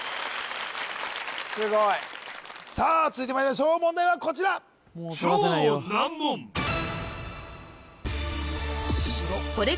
すごいさあ続いてまいりましょう問題はこちらもうとらせないよ